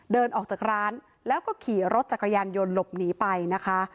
เดินออกจากร้านแล้วก็ขี่รถจักรยานยนต์หลบหนีไปนะคะ